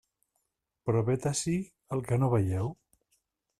Però vet ací el que no veieu.